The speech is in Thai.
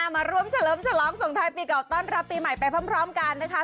มาร่วมเฉลิมฉลองส่งท้ายปีเก่าต้อนรับปีใหม่ไปพร้อมกันนะคะ